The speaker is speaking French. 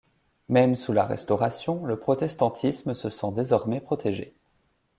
Même sous la Restauration, le protestantisme se sent désormais protégé.